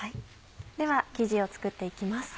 では生地を作って行きます。